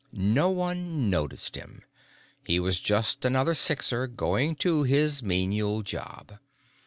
No one noticed him; he was just another Sixer going to his menial job.